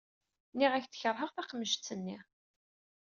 Nniɣ-ak-d kerheɣ taqemǧet-nni.